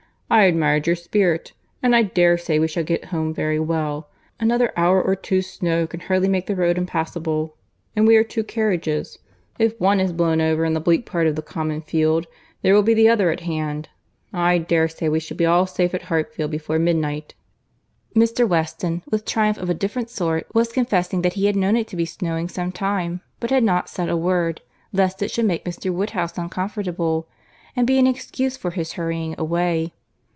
I admired your spirit; and I dare say we shall get home very well. Another hour or two's snow can hardly make the road impassable; and we are two carriages; if one is blown over in the bleak part of the common field there will be the other at hand. I dare say we shall be all safe at Hartfield before midnight." Mr. Weston, with triumph of a different sort, was confessing that he had known it to be snowing some time, but had not said a word, lest it should make Mr. Woodhouse uncomfortable, and be an excuse for his hurrying away.